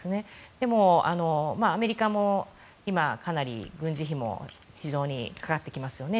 でも、アメリカも今軍事費も非常にかかってきますよね。